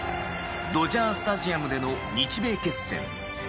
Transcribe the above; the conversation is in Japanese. ドジャースタジアムでの日米決戦。